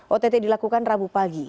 ott dilakukan rabu pagi